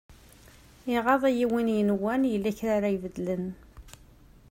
Iɣaḍ-iyi win yenwan yella kra ara ibedlen.